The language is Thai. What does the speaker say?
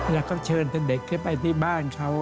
แล้วก็เชิญท่านเด็กขึ้นไปที่บ้านเขา